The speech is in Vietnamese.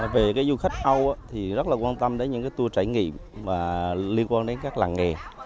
về du khách âu rất quan tâm đến những tour trải nghiệm liên quan đến các làng nghề